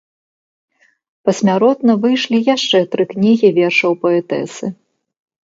Пасмяротна выйшлі яшчэ тры кнігі вершаў паэтэсы.